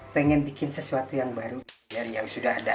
pengen bikin sesuatu yang baru dari yang sudah ada